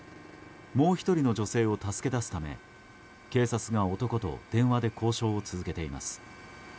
もう１人の女性を助け出すため警察が男と電話で交渉を続けています。